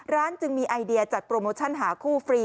จึงมีไอเดียจัดโปรโมชั่นหาคู่ฟรี